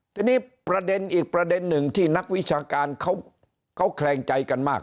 ทีนี้ประเด็นอีกประเด็นหนึ่งที่นักวิชาการเขาแคลงใจกันมาก